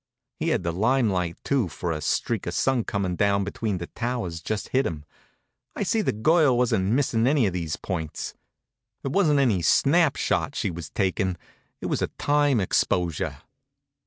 He had the lime light, too, for a streak of sun comin' down between the towers just hit him. I see the girl wasn't missin' any of these points. It wasn't any snap shot she was takin', it was a time exposure.